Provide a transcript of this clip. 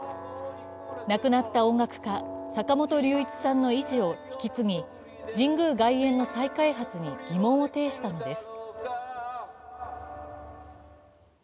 亡くなった音楽家・坂本龍一さんの遺志を引き継ぎ、神宮外苑の再開発に疑問を呈したのです。